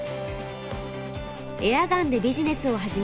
エアガンでビジネスを始めた原さん。